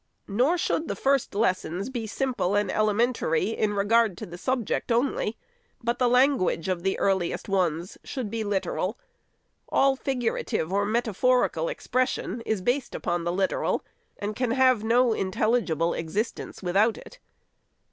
Nor should the first lessons be simple and elementary, in regard to the subject only ; but the language of the earliest ones should be literal. All figurative or meta phorical expression is based upon the literal, and can have no intelligible existence without it.